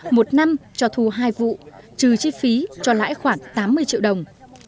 một năm cho thu hai vụ trừ chi phí cho lãi khoảng tám mươi triệu đồng